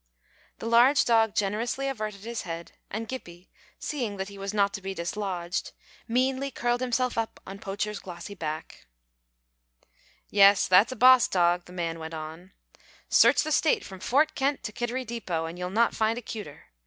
The large dog generously averted his head, and Gippie, seeing that he was not to be dislodged, meanly curled himself up on Poacher's glossy back. [Illustration: "HE LAY DOWN BESIDE HER."] "Yes, that's a boss dog," the man went on. "Search the State from Fort Kent to Kittery Depot, and you'll not find a cuter.